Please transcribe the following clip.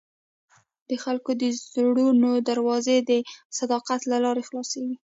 د خلکو د زړونو دروازې د صداقت له لارې خلاصېږي.